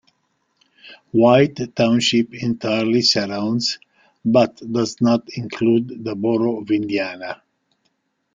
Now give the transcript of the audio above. White Township entirely surrounds, but does not include, the Borough of Indiana.